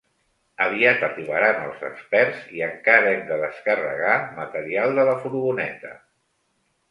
Aviat arribaran els experts i encara hem de descarregar material de la furgoneta.